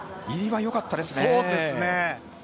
入りはよかったですね。